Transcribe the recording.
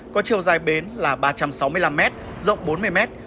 có chiều dài bến là ba trăm sáu mươi năm m rộng bốn mươi mét